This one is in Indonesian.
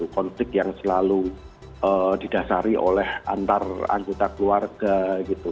konflik yang selalu didasari oleh antaranggota keluarga gitu